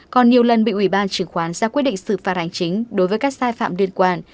còn nhiều lần bị ủy ban chứng khoán ra quyết định xử phạt hành chính đối với các sai phạm liên quan